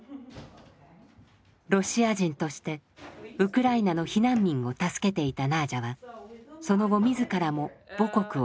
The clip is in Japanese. ロシア人としてウクライナの避難民を助けていたナージャはその後自らも母国を脱出。